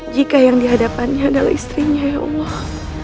jika yang dihadapannya adalah istrinya ya allah